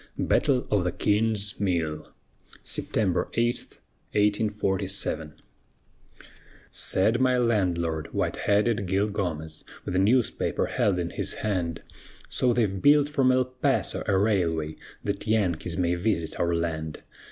BATTLE OF THE KING'S MILL [September 8, 1847] Said my landlord, white headed Gil Gomez, With newspaper held in his hand "So they've built from El Paso a railway That Yankees may visit our land.